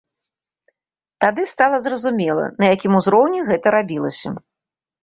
Тады стала зразумела, на якім узроўні гэта рабілася.